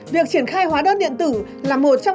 việc triển khai hóa đơn điện tử là một trong